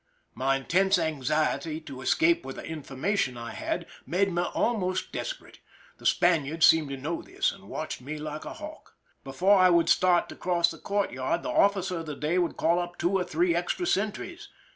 My intense anxiety to escape with the information I had made me almost desperate. The Spaniards seemed to know this, and watched me like a hawk. Before I would start to cross the courtyard, the officer of the day would call up two or three extra sentries.